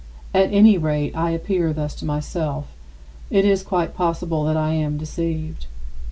At any rate, I appear thus to myself; it is quite possible that I am deceived.